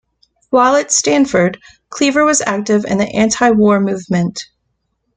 While at Stanford, Cleaver was active in the Anti-war Movement.